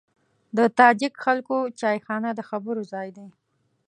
د تاجک خلکو چایخانه د خبرو ځای دی.